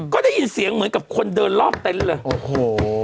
ก็ได้ยินเสียงเหมือนกับคนเดินรอบเต็นต์เลยโอ้โห